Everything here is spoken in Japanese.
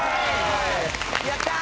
やったー！